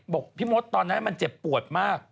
บอกพี่มดตอนนั้นมันเจ็บปวดมาก